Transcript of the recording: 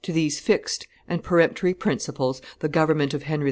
To these fixed and peremptory principles the government of Henry IV.